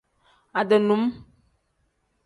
Ade num.